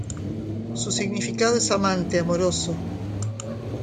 Su significado es "amante, amoroso".